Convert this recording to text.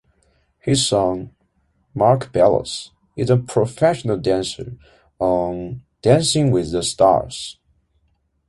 His son, Mark Ballas, is a professional dancer on "Dancing with the Stars".